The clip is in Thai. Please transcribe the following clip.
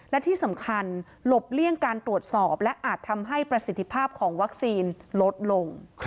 และที่สำคัญหลบเลี่ยงการตรวจสอบและอาจทำให้ประสิทธิภาพของวัคซีนลดลง